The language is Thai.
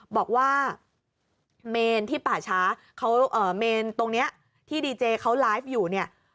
บอกว่าเมนที่ป่าช้าเขาเมนตรงนี้ที่ดีเจเขาไลฟ์อยู่เนี่ย